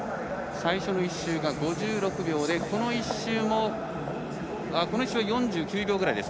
最初の１周が５６秒でこの１周は４９秒ぐらいです。